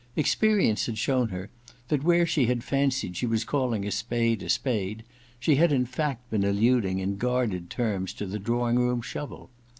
Experience had shown her that where she had fancied she was calling a spade a spade she had in fact been alluding in guarded terms to the drawing room shovel.